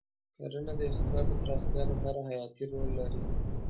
کرنه د اقتصاد د پراختیا لپاره حیاتي رول لري.